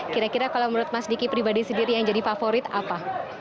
kira kira kalau menurut mas diki pribadi sendiri yang jadi favorit apa